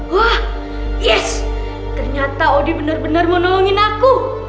wah yes ternyata odi bener bener mau nolongin aku